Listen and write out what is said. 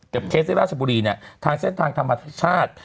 กับเคสล่าชบุรีทางเส้นทางธรรมชาติ